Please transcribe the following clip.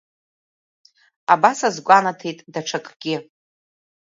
Абас аазгәанаҭеит даҽакгьы.